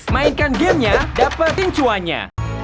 mainkan gamenya dapat pincuannya